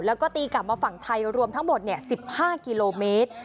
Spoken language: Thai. แล้วก็ตีกลับมาฝั่งไทยรวมทั้งหมด๑๕กิโลเมตร